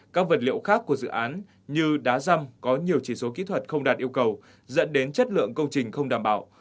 các vật liệu khác của dự án như đá răm có nhiều chỉ số kỹ thuật không đạt yêu cầu dẫn đến chất lượng công trình không đảm bảo